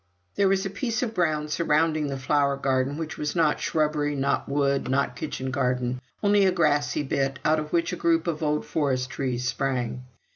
There was a piece of ground surrounding the flower garden, which was not shrubbery, nor wood, nor kitchen garden only a grassy bit, out of which a group of old forest trees sprang.